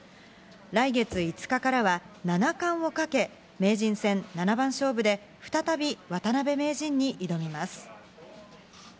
来月５日からは七冠をかけ、名人戦七番勝負で、再び渡辺名人に挑みます。